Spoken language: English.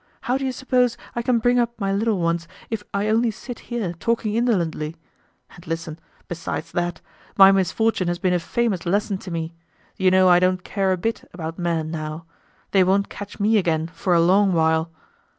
How do you suppose I can bring up my little ones, if I only sit here talking indolently? And listen, besides that, my misfortune has been a famous lesson to me. You know I don't care a bit about men now. They won't catch me again for a long while."